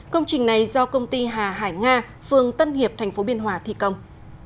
công trình này do công ty hà hải nga phường tân hiệp tp biên hòa thi công